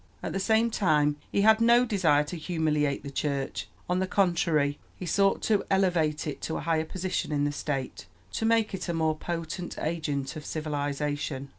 At the same time he had no desire to humiliate the Church; on the contrary, he sought to elevate it to a higher position in the State, to make it a more potent agent of civilization.